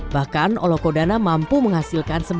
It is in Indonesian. bahkan olokodana mampu menghasilkan